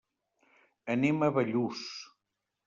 Anem a Bellús.